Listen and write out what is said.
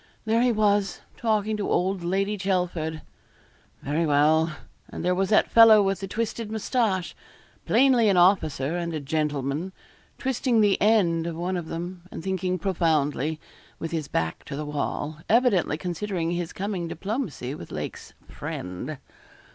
There he was, talking to old Lady Chelford. Very well; and there was that fellow with the twisted moustache plainly an officer and a gentleman twisting the end of one of them, and thinking profoundly, with his back to the wall, evidently considering his coming diplomacy with Lake's 'friend.'